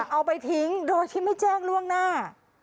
เอาไปทิ้งโดยที่ไม่แจ้งล่วงหน้า